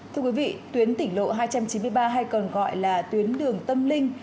thưa quý vị tuyến tỉnh lộ hai trăm chín mươi ba hay còn gọi là tuyến đường tâm linh